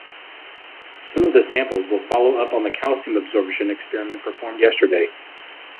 Some of the samples will follow-up on the calcium absorption experiment performed yesterday.